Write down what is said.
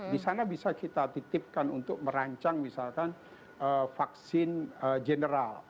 disana bisa kita titipkan untuk merancang misalkan vaksin general